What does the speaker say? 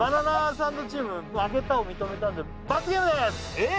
サンドチーム負けたを認めたんで罰ゲームですえっ